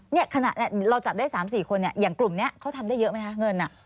เนี่ยขณะเราจับได้๓๔คนเนี่ยอย่างกลุ่มนี้เขาทำได้เยอะไหมคะเงิน